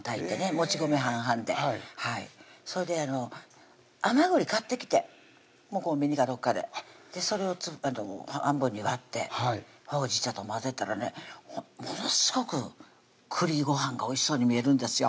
もち米半々ではいそれで甘ぐり買ってきてコンビニかどっかでそれを半分に割ってほうじ茶と混ぜたらねものすごくくりごはんがおいしそうに見えるんですよ